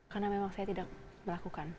karena memang saya tidak melakukan